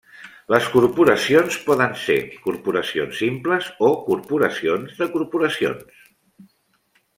Les corporacions poden ser corporacions simples o corporacions de corporacions.